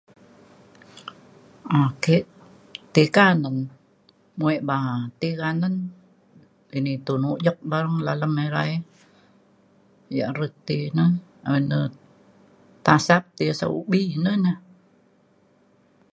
ake ti kanen muek ba’a ti kanen. ini te mujek ba dalem irai yak re ti na. ayen ne tasap ti ubi ine ne.